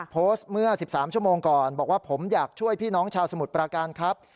โพสต์เมื่อ๑๓ชั่วโมงก่อนบอกว่าผมอยากช่วยพี่น้องชาวสมุทรประการครับ